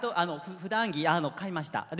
ふだん着、買いました。